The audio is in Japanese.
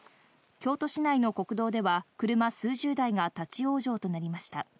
京都市内の国道では車数十台が立ち往生となりました。